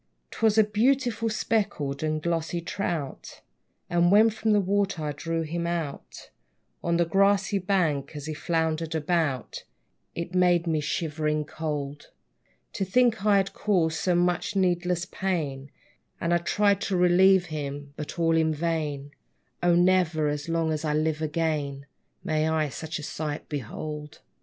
'Twas a beautiful speckled and glossy trout; And when from the water I drew him out, On the grassy bank as he floundered about, It made me shivering cold, To think I had caused so much needless pain; And I tried to relieve him, but all in vain: O never, as long as I live, again May I such a sight behold!